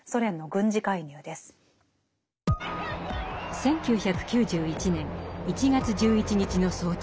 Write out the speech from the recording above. １９９１年１月１１日の早朝。